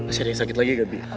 nggak sih ada yang sakit lagi bi